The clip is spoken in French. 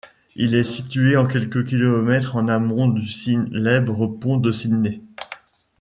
Il est situé à quelques kilomètres en amont du célèbre pont de Sydney.